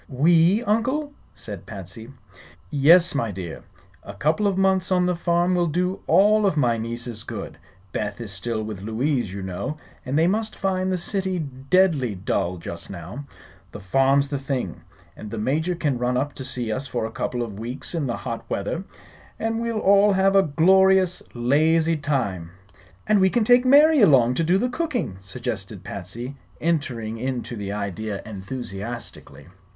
"We, Uncle?" said Patsy. "Yes, my dear. A couple of months on the farm will do all of my nieces good. Beth is still with Louise, you know, and they must find the city deadly dull, just now. The farm's the thing. And the Major can run up to see us for a couple of weeks in the hot weather, and we'll all have a glorious, lazy time." "And we can take Mary along to do the cooking," suggested Patsy, entering into the idea enthusiastically.